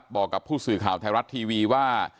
บอกกับผู้สื่อข่าวไทยรัฐทีวีว่า